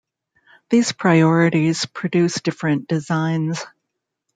These priorities produce different designs.